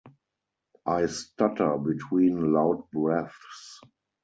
I stutter between loud breaths.